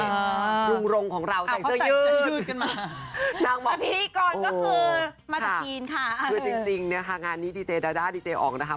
จริงจริงเนี้ยค่ะงานนี้ดีเจดาด้าดีเจอองค์นะคะ